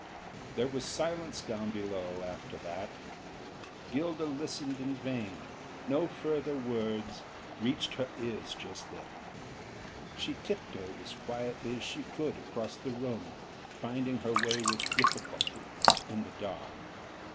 There was silence down below after that. Gilda listened in vain, no further words reached her ears just then. She tiptoed as quietly as she could across the room, finding her way with difficulty in the dark.